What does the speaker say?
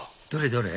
どれ？